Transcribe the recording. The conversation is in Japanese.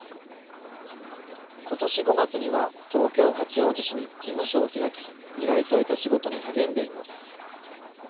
ことし５月には、東京・八王子市に事務所を開き、依頼された仕事に励んでいます。